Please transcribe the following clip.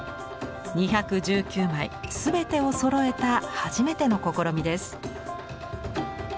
２１９枚全てをそろえた初めての試みです。